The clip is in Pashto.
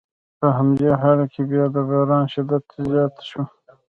په همدې حال کې بیا د باران شدت زیات شو.